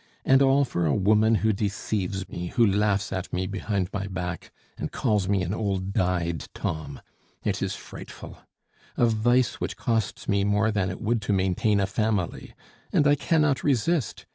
And all for a woman who deceives me, who laughs at me behind my back, and calls me an old dyed Tom. It is frightful! A vice which costs me more than it would to maintain a family! And I cannot resist!